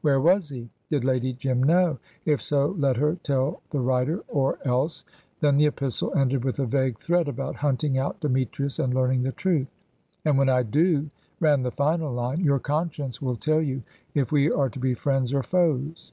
Where was he? Did Lady Jim know? If so, let her tell the writer, or else then the epistle ended with a vague threat about hunting out Demetrius and learning the truth. "And when I do," ran the final line, "your conscience will tell you if we are to be friends or foes."